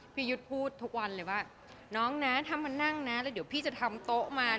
พี่ยุทธ์พูดทุกวันเลยว่าน้องนะถ้ามันนั่งนะแล้วเดี๋ยวพี่จะทำโต๊ะมัน